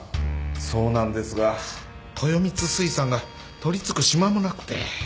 そうなんですが豊光水産が取りつく島もなくて。